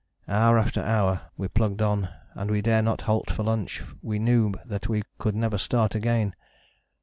Hour after hour we plugged on: and we dare not halt for lunch, we knew we could never start again.